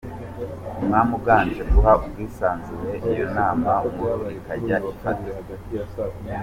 Umwami uganje, guha ubwisanzure iyo nama Nkuru ikajya ifata.